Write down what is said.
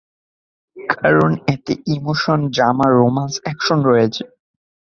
কারন এতে emotion, drama, romance, action রয়েছে।